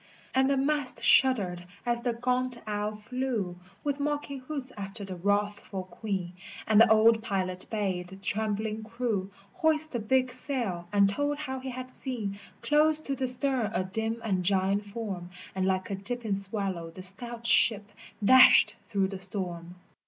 And the mast shuddered as the gaunt owl flew With mocking hoots after the wrathful Queen, And the old pilot bade the trembling crew Hoist the big sail, and told how he had seen Close to the stern a dim and giant form, And like a dipping swallow the stout ship dashed through the storm.